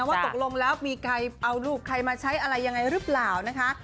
ว่าตกลงแล้วมีใครเอาลูกใครมาใช้อะไรยังไงหรือเปล่านะคะ